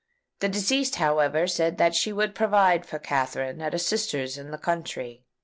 The deceased, however, said that she would provide for Katherine at a sister's in the country.